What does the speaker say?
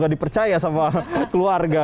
tidak dipercaya sama keluarga